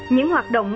những hoạt động